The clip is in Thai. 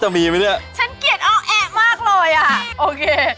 เกลียดมาก